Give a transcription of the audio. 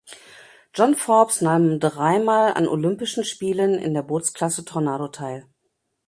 John Forbes nahm dreimal an Olympischen Spielen in der Bootsklasse Tornado teil.